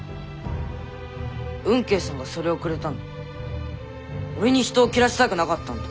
吽慶さんがそれをくれたのは俺に人を斬らせたくなかったんだ。